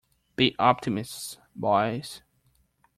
Be optimists, boys.